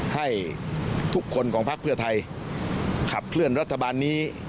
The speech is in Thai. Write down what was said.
ให้ทุกคนของพักเพื่อไทยขับเคลื่อนรัฐบาลนี้